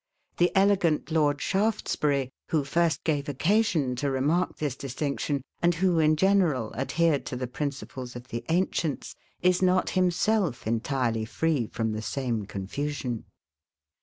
The elegant Lord Shaftesbury, who first gave occasion to remark this distinction, and who, in general, adhered to the principles of the ancients, is not, himself, entirely free from the same confusion.